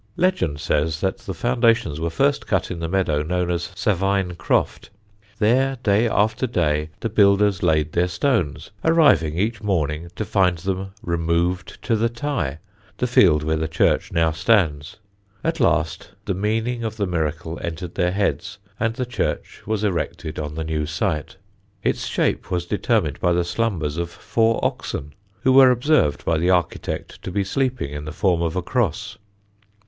Legend says that the foundations were first cut in the meadow known as Savyne Croft. There day after day the builders laid their stones, arriving each morning to find them removed to the Tye, the field where the church now stands. At last the meaning of the miracle entered their heads, and the church was erected on the new site. Its shape was determined by the slumbers of four oxen, who were observed by the architect to be sleeping in the form of a cross.